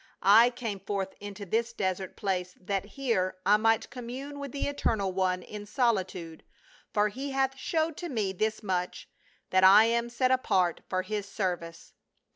I came forth into this desert place that here I might commune with the Eternal One in solitude, for he hath showed to me this much, that I am set apart for his service.